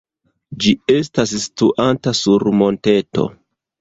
Ĝi estas situanta sur monteto.